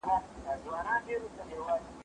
په تندي کي مي اوس ګونجي